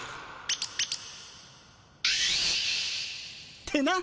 ってな。